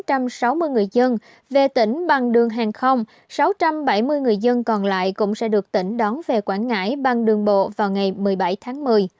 hơn một trăm sáu mươi người dân về tỉnh bằng đường hàng không sáu trăm bảy mươi người dân còn lại cũng sẽ được tỉnh đón về quảng ngãi bằng đường bộ vào ngày một mươi bảy tháng một mươi